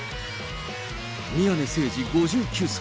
宮根誠司５９歳。